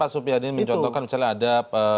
pak supi hadi mencontohkan misalnya ada